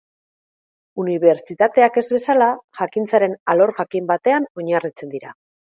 Unibertsitateak ez bezala, jakintzaren arlo jakin batean oinarritzen dira.